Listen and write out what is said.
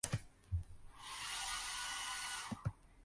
言いにくいけど、あそこ田んぼしかないよね